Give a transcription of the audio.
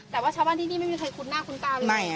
แต่ว่าชาวบ้านที่นี่ไม่มีใครคุ้นหน้าคุ้นตาเลย